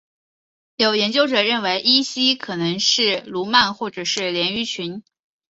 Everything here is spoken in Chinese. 有研究者认为依西可能是鲈鳗或鲢鱼群。